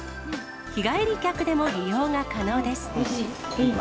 日帰り客でも利用が可能です。